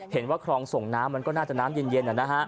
เห็นว่าคลองส่งน้ำมันก็น่าจะน้ำเย็น